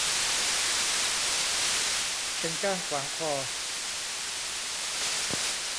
เป็นก้างขวางคอ